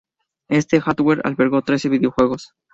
Este hardware albergó trece videojuegos.